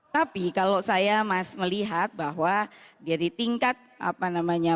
tapi kalau saya masih melihat bahwa dari tingkat pengangguran